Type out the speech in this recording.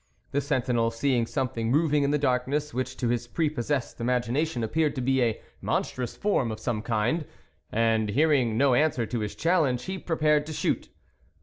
The sentinel, seeing something moving in the darkness which to his prepossessed imagination appeared to be a monstrous form of some kind, and hearing no answer to his challenge, he prepared to shoot.